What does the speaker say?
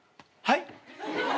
はい？